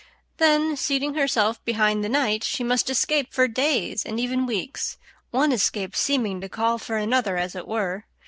Then, seating herself behind the knight, she must escape for days, and even weeks, one escape seeming to call for another, as it were.